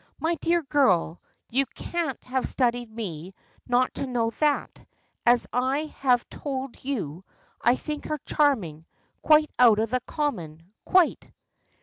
"My dear girl, you can't have studied me not to know that; as I have told you, I think her charming. Quite out of the common quite."